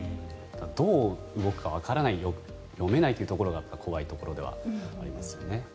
どう動くかわからない読めないというところが怖いところではありますね。